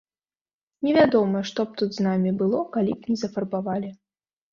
Невядома, што б тут з намі было, калі б не зафарбавалі.